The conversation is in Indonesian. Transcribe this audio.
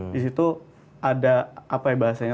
di situ ada apa ya bahasanya